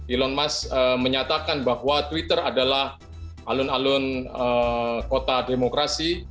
elon musk menyatakan bahwa twitter adalah alun alun kota demokrasi